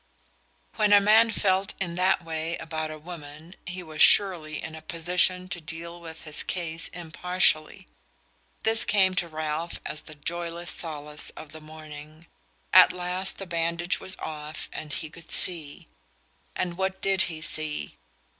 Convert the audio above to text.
When a man felt in that way about a woman he was surely in a position to deal with his case impartially. This came to Ralph as the joyless solace of the morning. At last the bandage was off and he could see. And what did he see?